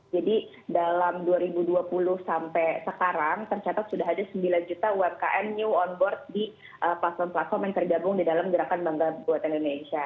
jadi dalam dua ribu dua puluh sampai sekarang tercatat sudah ada sembilan juta umkm new on board di platform platform yang tergabung di dalam gerakan bank kebuatan indonesia